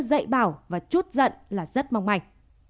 dậy bảo và chút giận là rất mong mạnh